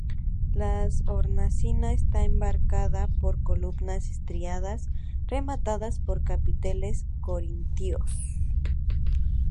La hornacina está enmarcada por columnas estriadas rematadas por capiteles corintios.